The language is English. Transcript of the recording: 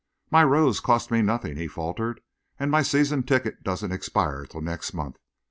"My rose cost me nothing," he faltered, "and my season ticket doesn't expire till next month.